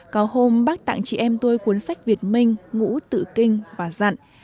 có hôm bác tặng chị em tôi cuốn sách việt minh ngũ tự kinh và dặn